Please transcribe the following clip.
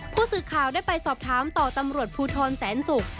ผู้สื่อข่าวได้ไปสอบถามต่อตำรวจภูทรแสนศุกร์